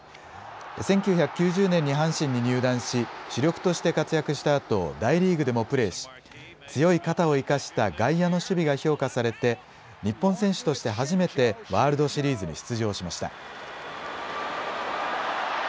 １９９０年に阪神に入団し主力として活躍したあと大リーグでもプレーし強い肩を生かした外野の守備が評価されて日本選手として初めてワールドシリーズに出場しました。